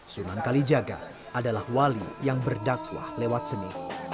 sunan kalijaga adalah wali yang berdakwah lewat seni